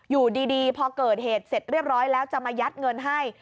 อยู่ดีพอเกิดเหตุเสร็จเรียบร้อยแล้วจะมายัดเงินให้